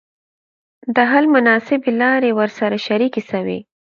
د حل مناسبي لاري ورسره شریکي سوې.